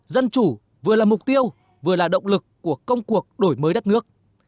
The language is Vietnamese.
dân chủ vừa là mục tiêu vừa là động lực của công cuộc đổi mới đất nước